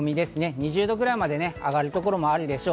２０度ぐらいまで上がる所もあるでしょう。